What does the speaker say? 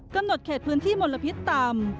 กำหนดเขตพื้นที่มลพิษต่ำ